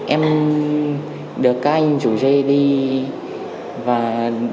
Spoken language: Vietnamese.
em đưa các anh rủ dê đi và đi lại